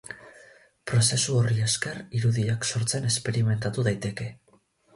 Prozesu horri esker, irudiak sortzen esperimentatu daiteke.